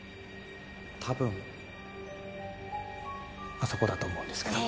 多分あそこだと思うんですけど。